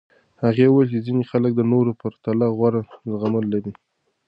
هغې وویل ځینې خلک د نورو پرتله غوره زغمل لري.